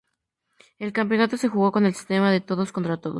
El campeonato se jugó con el sistema de todos contra todos.